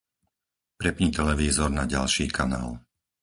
Prepni televízor na ďalší kanál.